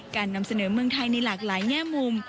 นำเสนอเมืองไทยในหลากหลายแง่มุม